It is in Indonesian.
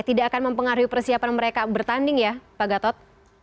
tidak akan mempengaruhi persiapan mereka bertanding ya pak gatot